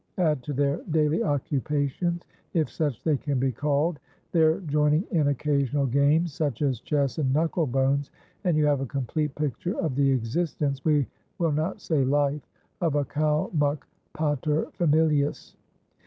Add to their daily occupations, if such they can be called, their joining in occasional games, such as chess and knuckle bones, and you have a complete picture of the existence we will not say life of a Kalmuk paterfamilias.